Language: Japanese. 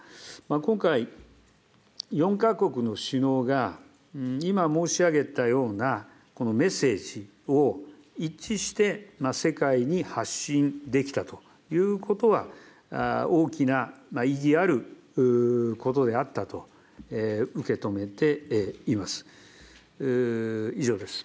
今回、４か国の首脳が、今申し上げたようなメッセージを一致して世界に発信できたということは、大きな意義あることであったと受け止めています。